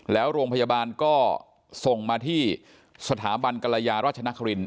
แล้วโรงพยาบาลก็ส่งมาที่สถาบันกรยาราชนครินท